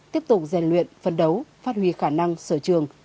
tiếp tục rèn luyện phân đấu phát huy khả năng sở trường